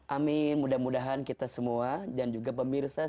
amin mudah mudahan kita semua dan juga pemirsa